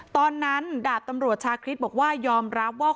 ตอนนั้นดาบตำรวจชาคริสบอกว่ายอมรับว่า